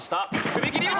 踏み切り板！